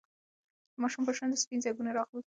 د ماشوم پر شونډو سپین ځگونه راغلل.